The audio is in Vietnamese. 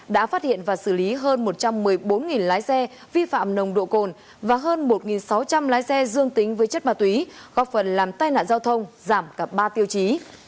đã phát hiện và xử lý hơn một trăm một mươi bốn lái xe vi phạm nồng độ cồn và hơn một sáu trăm linh lái xe dương tính với chất ma túy góp phần làm tai nạn giao thông giảm cả ba tiêu chí